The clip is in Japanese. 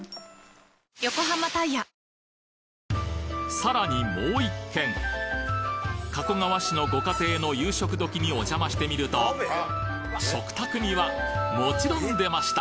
さらにもう一軒加古川市のご家庭の夕食時にお邪魔してみると食卓にはもちろん出ました